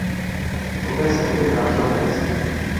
Poté se opět vrátila k herectví.